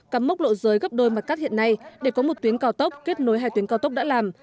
cắm mốc lộ rơi gấp đôi mặt cắt hiện nay để có một tuyến cao tốc kết nối hai tuyến cao tốc đã làm